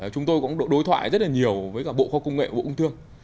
chúng tôi cũng đối thoại rất là nhiều với cả bộ kho cung nghệ và bộ cung thương